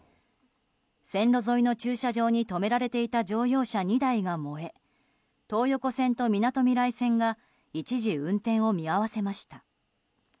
線路沿いの駐車場に止められていた乗用車２台が燃え東横線と、みなとみらい線が一時運転を見合わせました。